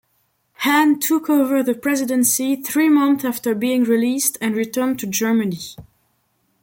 Hahn took over the presidency three months after being released and returned to Germany.